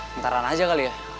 bentaran aja kali ya